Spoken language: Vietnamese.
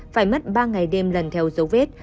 phải mất ba ngày đêm lần theo dấu vết